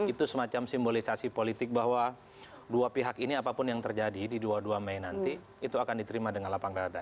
itu semacam simbolisasi politik bahwa dua pihak ini apapun yang terjadi di dua puluh dua mei nanti itu akan diterima dengan lapang rada